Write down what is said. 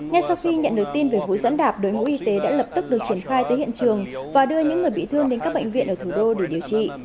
ngay sau khi nhận được tin về vụ giẫm đạp đối mũ y tế đã lập tức được triển khai tới hiện trường và đưa những người bị thương đến các bệnh viện ở thủ đô để điều trị